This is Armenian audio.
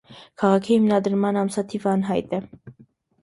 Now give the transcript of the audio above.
Քաղաքի հիմնադրման ամսաթիվը անհայտ է։